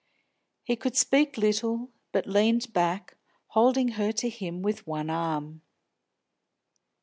He could speak little, but leaned back, holding her to him with one arm.